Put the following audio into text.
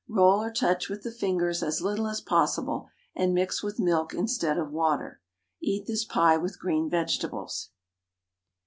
Roll or touch with the fingers as little as possible, and mix with milk instead of water. Eat this pie with green vegetables.